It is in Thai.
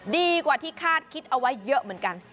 ดีกว่าที่คาดคิดเอาไว้เยอะเหมือนกัน